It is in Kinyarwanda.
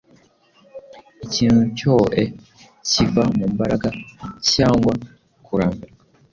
ikintu cyoe kiva mumbaraga, cyangwa kurambirwa,